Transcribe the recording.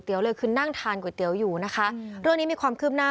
เสียชีวิตคาร้านก๋วยเตี๋ยวนะคะเรื่องนี้มีความขึ้มหน้า